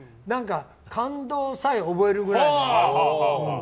感動さえ覚えるくらいの。